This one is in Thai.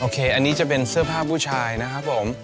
อันนี้จะเป็นเสื้อผ้าผู้ชายนะครับผม